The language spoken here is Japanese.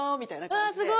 わすごい！